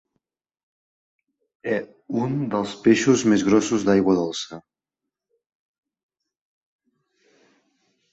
Un dels peixos més grossos d'aigua dolça.